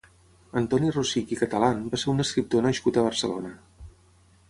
Antoni Rosich i Catalan va ser un escriptor nascut a Barcelona.